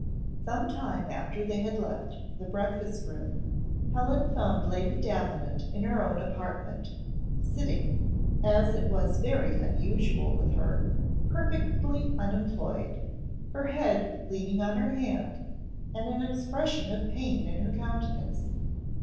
Some time after they had left the breakfast room, Helen found Lady Davenant in her own apartment, sitting, as it was very unusual with her, perfectly unemployed her head leaning on her hand, and an expression of pain in her countenance.